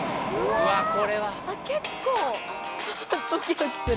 うわ結構ドキドキする。